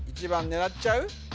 １番狙っちゃう？